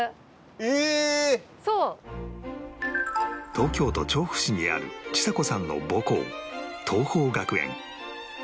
東京都調布市にあるちさ子さんの母校桐朋学園